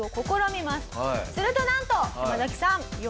するとなんとヤマザキさん。